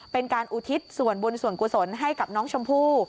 เป็นการอุทิศส่วนบุญส่วนกุศลให้กับน้องชมพู่